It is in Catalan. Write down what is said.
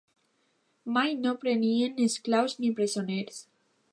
Mai no prenien esclaus ni presoners.